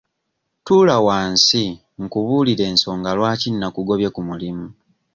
Tuula wansi nkubuulire ensonga lwaki nakugobye ku mulimu.